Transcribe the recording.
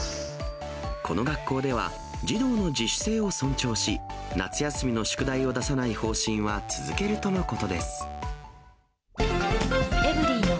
この学校では、児童の自主性を尊重し、夏休みの宿題を出さない方針は続けるとのことです。